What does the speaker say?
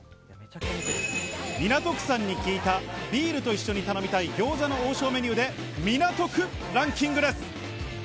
港区さんに聞いた、ビールと一緒に頼みたい餃子の王将メニューで、港区ランキングです。